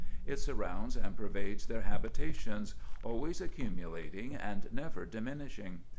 It surrounds and pervades their habitations, always accumulating, and never diminishing.